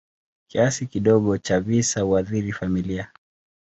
Kiasi kidogo cha visa huathiri familia.